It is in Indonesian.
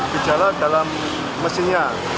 ke jalan dalam mesinnya